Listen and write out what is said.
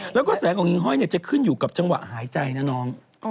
แล้วก็แสงของหญิงห้อยจะขึ้นอยู่กับจังหวะหายใจนะน้อง